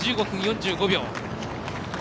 １５分４５秒。